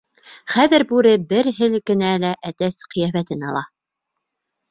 Хәҙер бүре бер һелкенә лә әтәс ҡиәфәтен ала.